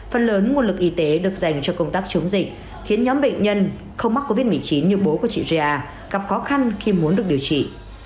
phần lớn nguồn lực y tế được dành cho công tác chống dịch khiến nhóm bệnh nhân không mắc covid một mươi chín như bố của chị gia gặp khó khăn khi muốn được điều trị